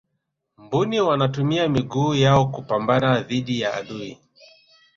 mbuni wanatumia miguu yao kupambana dhidi ya adui